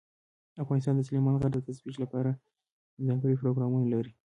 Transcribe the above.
افغانستان د سلیمان غر د ترویج لپاره ځانګړي پروګرامونه لري.